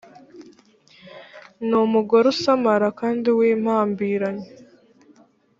ni umugore usamara kandi w’impambiranyi